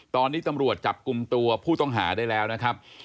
ตอนนี้ตำรวจจับกลุ่มตัวผู้ต้องหาได้แล้วนะครับ